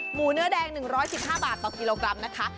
หมูเนื้อแดง๑๑๕บาทต่อกิโลกรัมนะคะ